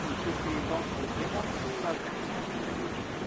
Il suffit donc de démontrer la version simplifiée.